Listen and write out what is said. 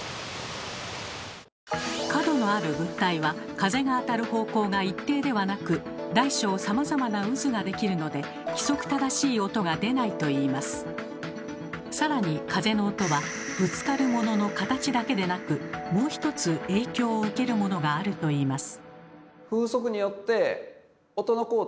角のある物体は風が当たる方向が一定ではなく大小さまざまな渦ができるので更に風の音はぶつかるものの形だけでなくもう一つ影響を受けるものがあるといいます。